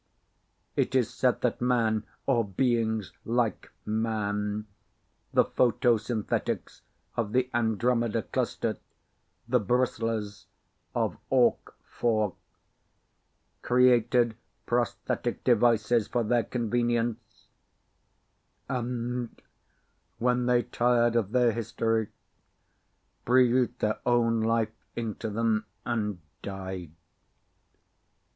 It is said that man, or beings like man the Photosynthetics of the Andromeda cluster, the Bristlers of Orc IV created prosthetic devices for their convenience and, when they tired of their history, breathed their own life into them and died.